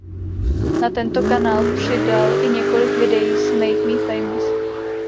Na tento kanál přidal i několik videí s Make Me Famous.